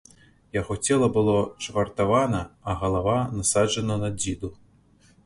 Яго цела было чвартавана, а галава насаджана на дзіду.